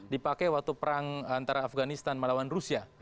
dipakai waktu perang antara afganistan melawan rusia